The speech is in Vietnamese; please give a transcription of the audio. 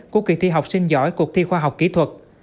của kỳ thi học sinh giỏi cuộc thi khoa học kỹ thuật